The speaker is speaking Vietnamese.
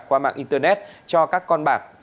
qua mạng internet cho các con bạc